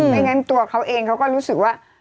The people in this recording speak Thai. ไม่งั้นตัวเขาเองเขาก็รู้สึกว่า